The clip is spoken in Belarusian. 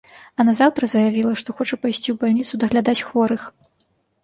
А назаўтра заявіла, што хоча пайсці ў больніцу даглядаць хворых.